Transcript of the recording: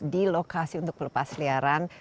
di lokasi untuk pelepas liaran